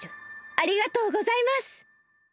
ありがとうございます！